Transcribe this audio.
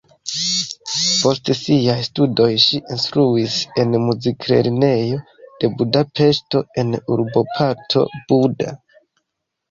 Post siaj studoj ŝi instruis en muziklernejo de Budapeŝto en urboparto Buda.